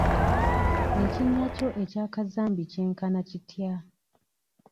Ekinnya kyo ekya kazambi kyenkana kitya?